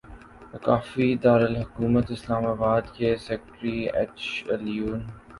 وفاقی دارالحکومت اسلام آباد کے سیکٹر ایچ الیون